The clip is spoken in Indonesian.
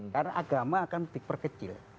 karena agama akan diperkecil